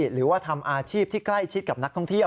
หรือว่าทำอาชีพที่ใกล้ชิดกับนักท่องเที่ยว